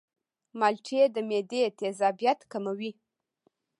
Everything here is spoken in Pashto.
مالټې د معدې تیزابیت کموي.